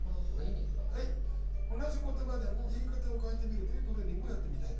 同じ言葉でも言い方を変えてみるというトレーニングをやってみたいと思います。